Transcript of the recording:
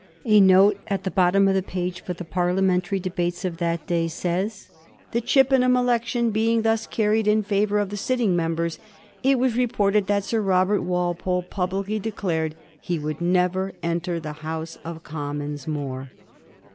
A note at the bottom of the page of the Parliamen tary Debates for that day says :" The Chippenham election being thus carried in favor of the sitting members, it was reported that Sir Robert Walpole publicly declared he would never enter the House of Commons more."